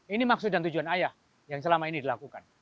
ini maksud dan tujuan ayah yang selama ini dilakukan